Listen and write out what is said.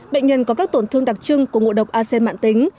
bệnh nhân có các tổn thương đặc trưng của ngộ độc acen mạng tính